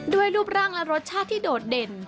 รูปร่างและรสชาติที่โดดเด่น